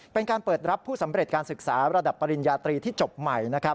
เป็นการเปิดรับผู้สำเร็จการศึกษาระดับปริญญาตรีที่จบใหม่